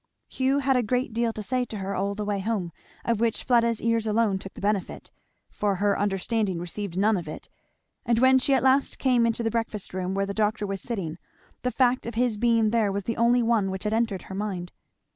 Hugh had a great deal to say to her all the way home, of which Fleda's ears alone took the benefit, for her understanding received none of it; and when she at last came into the breakfast room where the doctor was sitting, the fact of his being there was the only one which had entered her mind.